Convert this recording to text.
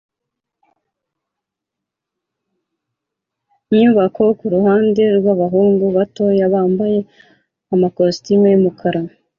nyubako kuruhande rwabahungu bato bambaye amakositimu yumukara